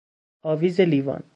آویز لیوان